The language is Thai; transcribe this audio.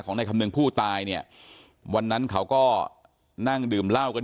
ในคำนึงผู้ตายเนี่ยวันนั้นเขาก็นั่งดื่มเหล้ากัน